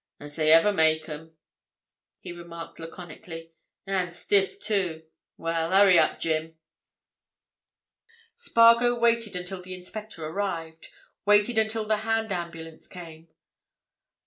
"As ever they make 'em," he remarked laconically. "And stiff, too. Well, hurry up, Jim!" Spargo waited until the inspector arrived; waited until the hand ambulance came.